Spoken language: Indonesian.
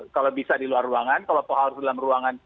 kalau bisa di luar ruangan kalau harus di dalam ruangan